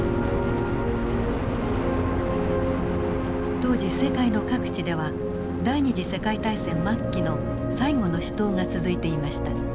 当時世界の各地では第二次世界大戦末期の最後の死闘が続いていました。